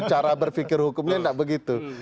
cara berpikir hukumnya tidak begitu